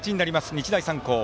日大三高。